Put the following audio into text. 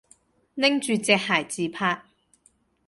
拎住隻鞋自拍